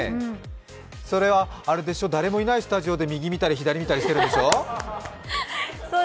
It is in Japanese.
それは誰もいないスタジオで右見たり、左見たりしているんでしょう？